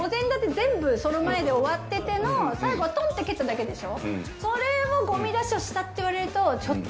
全部その前で終わってての最後トンって蹴っただけでしょ？